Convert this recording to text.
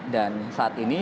dan saat ini